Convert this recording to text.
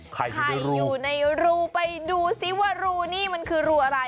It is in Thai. ไข่อยู่ในรูไปดูซิว่ารูนี่มันคือรูอะไร